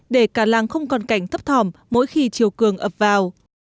để cả làng không còn cảnh thấp thỏm mỗi khi chiều cường ập vào